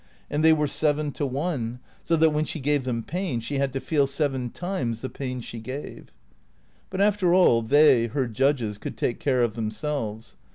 And they were seven to one, so that when she gave them pain she had to feel seven times the pain she gave. But after all they, her judges, could take care of themselves.